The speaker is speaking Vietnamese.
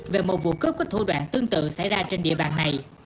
về một vụ cướp có thủ đoạn tương tự xảy ra trên địa bàn này